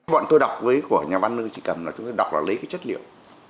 bọn tôi đọc với của nhà văn lương sĩ cầm là chúng tôi đọc là lấy cái chất liệu